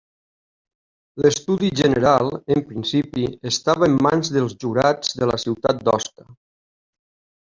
L'Estudi General, en principi, estava en mans dels jurats de la ciutat d'Osca.